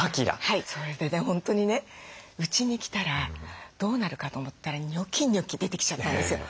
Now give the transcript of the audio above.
それで本当にねうちに来たらどうなるかと思ったらニョキニョキ出てきちゃったんですよ。